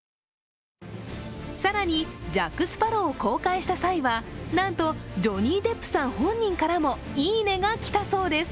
更に、ジャック・スパロウを公開した際はなんとジョニー・デップさん本人からも「いいね」が来たそうです。